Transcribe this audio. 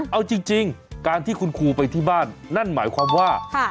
เอาจริงการที่คุณครูไปที่บ้านนั่นหมายความว่า